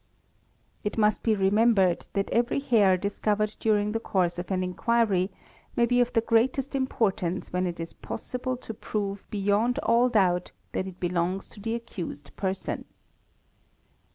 oes a 198 | THE MICROSCOPIST It must be remembered that every hair discovered during the course of an inquiry may be of the greatest. importance when it is possible to prove beyond all doubt that it belongs to the accused person.